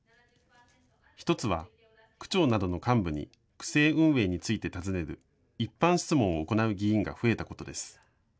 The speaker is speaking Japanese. １つは区長などの幹部に区政運営について尋ねる一般質問を行う議員が増えたことです。